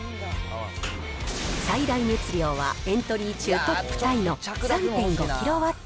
最大熱量はエントリー中トップタイの３．５キロワット。